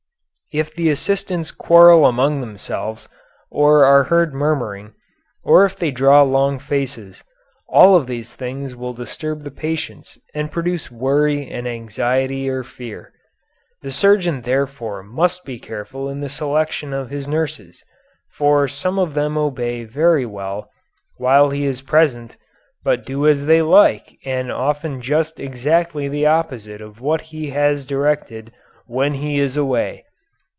If the assistants quarrel among themselves, or are heard murmuring, or if they draw long faces, all of these things will disturb the patients and produce worry and anxiety or fear. The surgeon therefore must be careful in the selection of his nurses, for some of them obey very well while he is present, but do as they like and often just exactly the opposite of what he has directed when he is away."